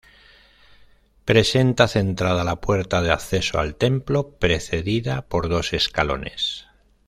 Presenta centrada la puerta de acceso al templo, precedida por dos escalones.